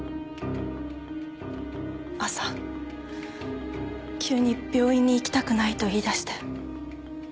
朝急に病院に行きたくないと言い出して。